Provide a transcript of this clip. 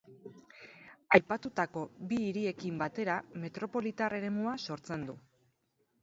Aipatutako bi hiriekin batera metropolitar eremua sortzen du.